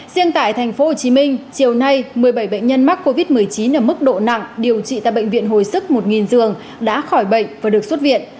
riêng tại tp hcm chiều nay một mươi bảy bệnh nhân mắc covid một mươi chín ở mức độ nặng điều trị tại bệnh viện hồi sức một giường đã khỏi bệnh và được xuất viện